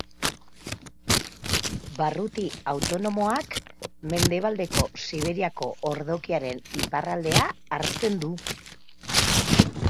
Barruti autonomoak Mendebaldeko Siberiako ordokiaren iparraldea hartzen du.